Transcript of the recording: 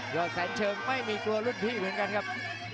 แสนเชิงไม่มีกลัวรุ่นพี่เหมือนกันครับ